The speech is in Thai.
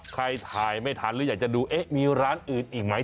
ถ่ายไม่ทันหรืออยากจะดูเอ๊ะมีร้านอื่นอีกไหม